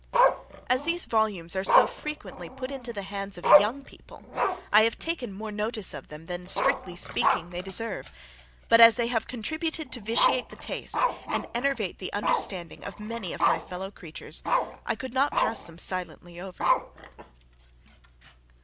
As these volumes are so frequently put into the hands of young people, I have taken more notice of them than strictly speaking, they deserve; but as they have contributed to vitiate the taste, and enervate the understanding of many of my fellow creatures, I could not pass them silently over.